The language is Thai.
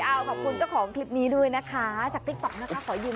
เอาขอบคุณเจ้าของคลิปนี้ด้วยนะคะจากติ๊กต๊อกนะคะขอยืม